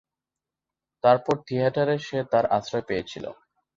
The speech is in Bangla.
তারপর থিয়েটারে সে তার আশ্রয় পেয়েছিল।